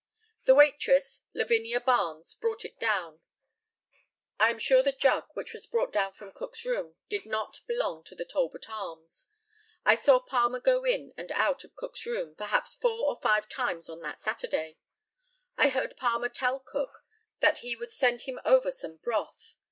The waitress, Lavinia Barnes, brought it down. I am sure the jug, which was brought down from Cook's room, did not belong to the Talbot Arms. I saw Palmer go in and out of Cook's room, perhaps, four or five times on that Saturday. I heard Palmer tell Cook that he would send him over some broth.